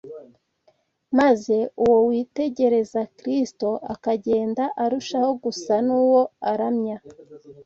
maze uwo witegereza Kristo akagenda arushaho gusa n’uwo aramya